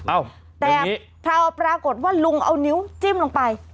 อ้าวแบบนี้แต่พราบปรากฏว่าลุงเอานิ้วจิ้มลงไป